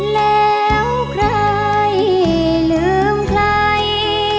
แล้วใครลืมใคร